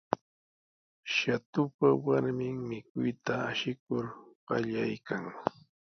Shatupa warmin mikuyta ashikur qallaykan.